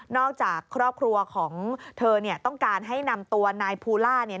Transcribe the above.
นอกจากครอบครัวของเธอต้องการให้นำตัวนายพูล่า